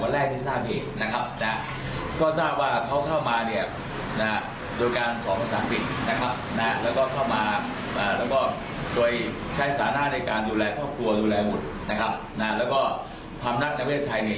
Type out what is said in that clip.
ดูแลครอบครัวดูแลหมุนนะครับนะแล้วก็พรรมนักนักเวทย์ไทยเนี่ย